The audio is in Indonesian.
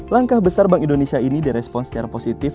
langkah besar bank indonesia ini direspon secara positif